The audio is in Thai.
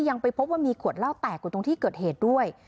ยังไปพบว่ามีขวดเหล้าแตกอยู่ตรงที่เกิดเหตุด้วย